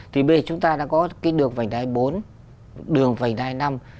thì bây giờ chúng ta đã có cái đường vành đai bốn đường vành đai năm